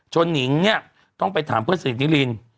หนิงเนี่ยต้องไปถามเพื่อนสนิทนิริน